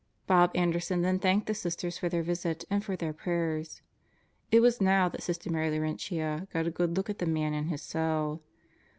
Bob Anderson then thanked the Sisters for their visit and for their prayers. It was now that Sister Mary Laurentia got a good look at the man and his cell.